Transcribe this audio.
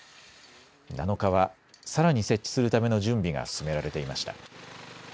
７日はさらに設置するための準備が進められていました。